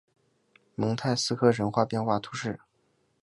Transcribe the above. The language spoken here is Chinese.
蒙泰斯科人口变化图示